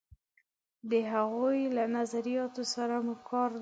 د هغوی له نظریاتو سره مو کار دی.